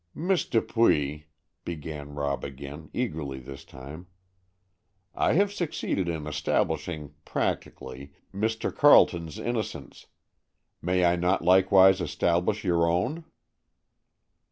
"Miss Dupuy," began Rob again, eagerly this time, "I have succeeded in establishing, practically, Mr. Carleton's innocence. May I not likewise establish your own?"